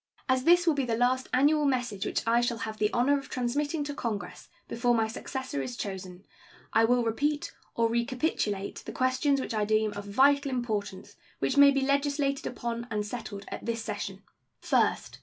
As this will be the last annual message which I shall have the honor of transmitting to Congress before my successor is chosen, I will repeat or recapitulate the questions which I deem of vital importance which may be legislated upon and settled at this session: First.